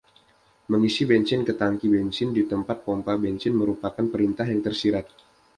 Mengisi bensin ke tangki bensin di tempat pompa bensin merupakan perintah yang tersirat.